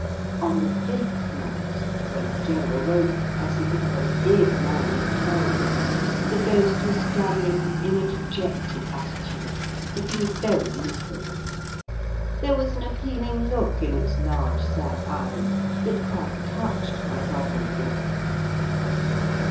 On the fifth night, when Joe awoke, as he always did now at twelve, the ghost was standing in a dejected attitude, looking very miserable. There was an appealing look in its large sad eyes that quite touched my brother in law.